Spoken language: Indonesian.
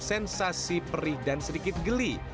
sensasi perih dan sedikit geli